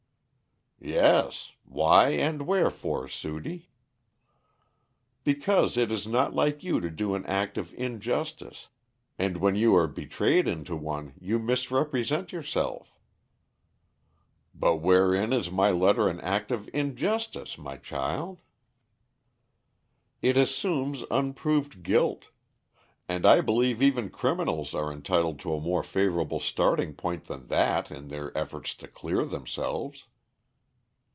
"Yes. Why and wherefore, Sudie?" "Because it is not like you to do an act of injustice, and when you are betrayed into one you misrepresent yourself." "But wherein is my letter an act of injustice, my child?" "It assumes unproved guilt; and I believe even criminals are entitled to a more favorable starting point than that in their efforts to clear themselves."